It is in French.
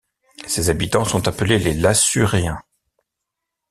Ses habitants sont appelés les Lassuréens.